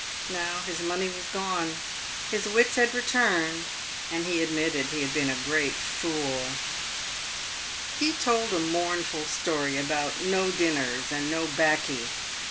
Now his money was gone, his wits had returned, and he admitted he had been a great fool. 392 PAYED WITH GOLD. He told a mournful story about no dinners and no baccy.